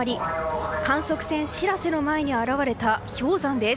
観測船「しらせ」の前に現れた氷山です。